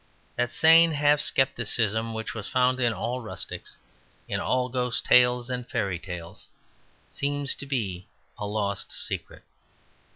That sane half scepticism which was found in all rustics, in all ghost tales and fairy tales, seems to be a lost secret.